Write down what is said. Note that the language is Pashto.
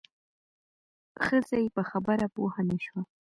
ښځه یې په خبره پوه نه شوه.